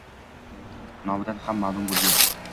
Nomidan ham maʼlum boʻlgan.